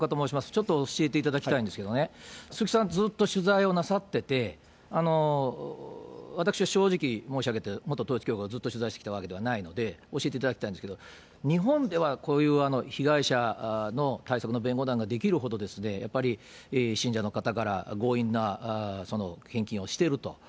ちょっと教えていただきたいんですけどね、鈴木さん、ずっと取材をなさってて、私は正直申し上げて、元統一教会をずっと取材してきたわけではないので、教えていただきたいんですけど、日本ではこういう被害者の対策の弁護団が出来るほど、やっぱり、信者の方から強引な献金をしていると。